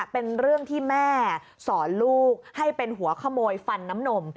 เป็นเรื่องที่แม่สอนลูกให้เป็นหัวขโมยฟันน้ำนม